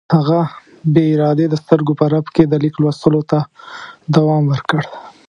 هغه بې ارادې د سترګو په رپ کې د لیک لوستلو ته دوام ورکړ.